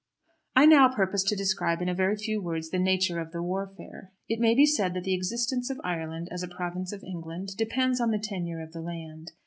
I now purpose to describe in a very few words the nature of the warfare. It may be said that the existence of Ireland as a province of England depends on the tenure of the land.